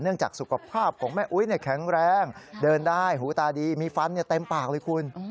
จากสุขภาพของแม่อุ๊ยแข็งแรงเดินได้หูตาดีมีฟันเต็มปากเลยคุณ